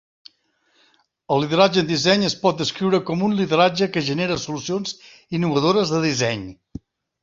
El lideratge en disseny es pot descriure com un lideratge que genera solucions innovadores de disseny.